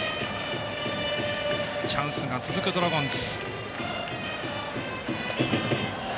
チャンスが続くドラゴンズ。